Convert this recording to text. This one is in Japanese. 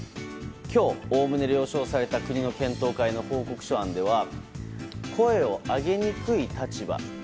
今日、おおむね了承された国の検討会の報告書案では声を上げにくい立場。